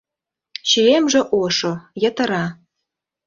Чиемже ошо, йытыра.